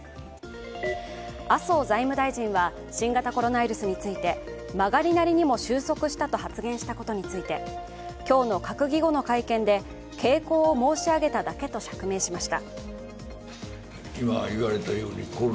麻生財務大臣は新型コロナウイルスについて曲がりなりにも収束したと発言したことについて今日の閣議後の会見で傾向を申し上げただけと釈明しました。